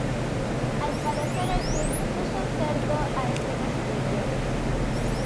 Al parecer el Cid puso cerco a este castillo.